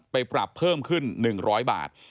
ไปปรับเพิ่มขึ้น๑๐๐บาท